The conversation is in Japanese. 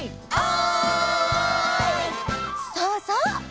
そうそう！